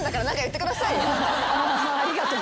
ありがとう。